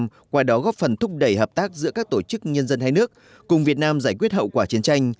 qua đó góp phần thúc đẩy hợp tác giữa các tổ chức nhân dân hai nước cùng việt nam giải quyết hậu quả chiến tranh